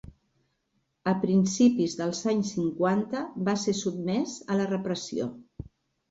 A principis dels anys cinquanta va ser sotmès a la repressió.